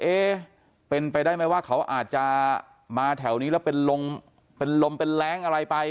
เอ๊ะเป็นไปได้ไหมว่าเขาอาจจะมาแถวนี้แล้วเป็นลมเป็นลมเป็นแรงอะไรไป